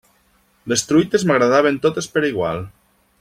Les truites m'agradaven totes per igual.